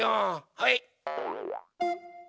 はい！